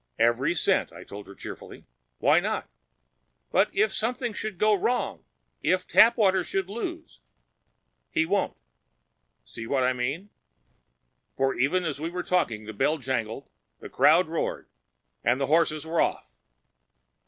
"Every cent," I told her cheerfully. "Why not?" "But if something should go wrong! If Tapwater should lose!" "He won't. See what I mean?" For even as we were talking, the bell jangled, the crowd roared, and the horses were off.